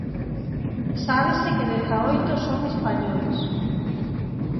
Sábese que dezaoito son españois.